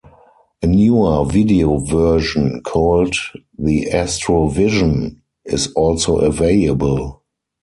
A newer video version, called the Astrovision, is also available.